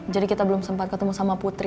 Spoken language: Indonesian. jadi kita belum sempat ketemu sama putri